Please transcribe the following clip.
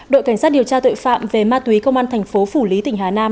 đội cảnh sát điều tra tội phạm về ma túy công an tp phủ lý tỉnh hà nam